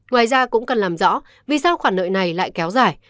ngoài ra cũng cần làm rõ vì sao khoản nợ này lại kéo dài